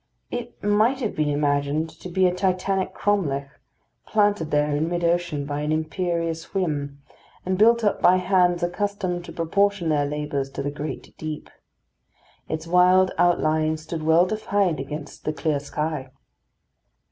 It might have been imagined to be a Titanic Cromlech, planted there in mid ocean by an imperious whim, and built up by hands accustomed to proportion their labours to the great deep. Its wild outline stood well defined against the clear sky.